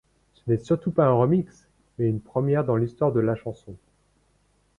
Ce n'est surtout pas un remix!, mais une première dans l'histoire de la chanson.